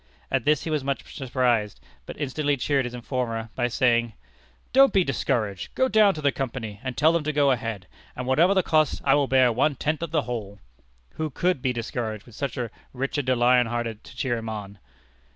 At this he was much surprised, but instantly cheered his informer by saying: "Don't be discouraged; go down to the Company, and tell them to go ahead, and whatever the cost, I will bear one tenth of the whole." Who could be discouraged with such a Richard the Lion hearted to cheer him on?